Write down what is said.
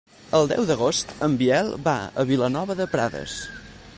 El deu d'agost en Biel va a Vilanova de Prades.